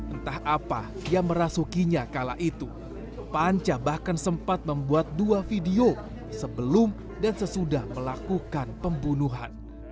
entah apa ia merasukinya kala itu panca bahkan sempat membuat dua video sebelum dan sesudah melakukan pembunuhan